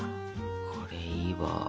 これいいわ。